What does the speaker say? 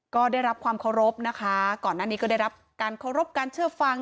ก็ได้รับความเคารพนะคะก่อนหน้านี้ก็ได้รับการเคารพการเชื่อฟัง